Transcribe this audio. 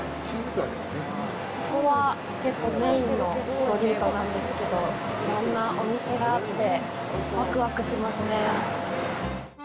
ここは、結構メインのストリートなんですけど、いろんなお店があって、ワクワクしますね。